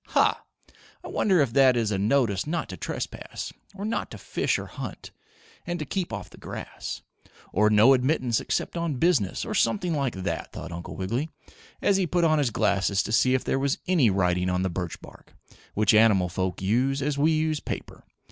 "Ha! I wonder if that is a notice not to trespass, or not to fish or hunt, and to keep off the grass, or no admittance except on business or something like that?" thought Uncle Wiggily, as he put on his glasses to see if there was any writing on the birch bark, which animal folk use as we use paper.